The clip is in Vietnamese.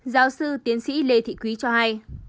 giáo sư tiến sĩ lê thị quý cho hay